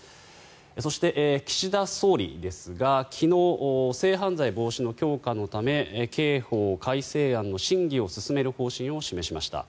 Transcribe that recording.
そして、岸田総理ですが昨日、性犯罪防止の強化のため刑法改正案の審議を進める方針を示しました。